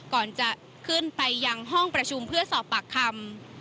ก่อนจะขึ้นไปยังห้องประชุมเพื่อสอบปากคำ